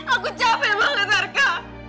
aku capek banget arka